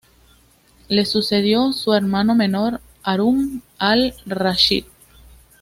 Le sucedió su hermano menor Harún al-Rashid.